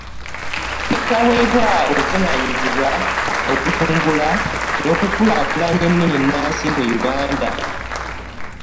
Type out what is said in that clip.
Ne kaweebwa obuvunaanyizibwa okutumbula n'okukulaakunya ennimi ennansi mu Uganda.